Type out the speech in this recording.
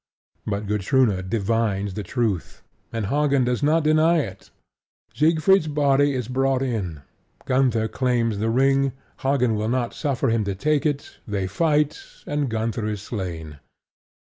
But Gutrune divines the truth; and Hagen does not deny it. Siegfried's body is brought in; Gunther claims the ring; Hagen will not suffer him to take it; they fight; and Gunther is slain.